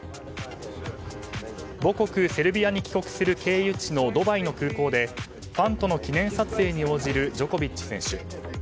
母国セルビアに帰国する経由地のドバイの空港でファンとの記念撮影に応じるジョコビッチ選手。